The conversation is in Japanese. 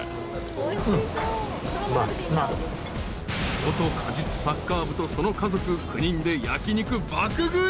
［元鹿実サッカー部とその家族９人で焼き肉爆食い］